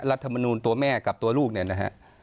รัฐมนูลตัวแม่กับตัวลูกเนี่ยนะฮะ